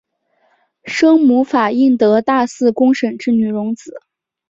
生母法印德大寺公审之女荣子。